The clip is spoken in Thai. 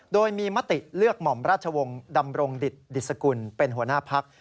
โดยมีมติเลือกหม่อมราชวงศ์ดำรงดิตดิสกุลเป็นหัวหน้าพัก